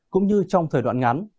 cũng như trong thời đoạn ngắn